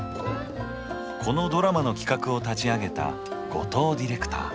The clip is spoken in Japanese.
このドラマの企画を立ち上げた後藤ディレクター。